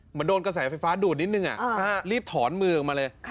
เหมือนโดนกระแสไฟฟ้าดูดนิดนึงรีบถอนมือออกมาเลย